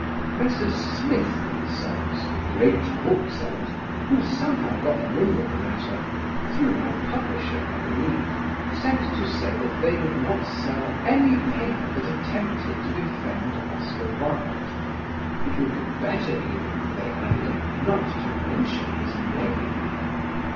Messrs. Smith and Sons, the great booksellers, who somehow got wind of the matter (through my publisher, I believe), sent to say that they would not sell any paper that attempted to defend Oscar Wilde; it would be better even, they added, not to mention his name.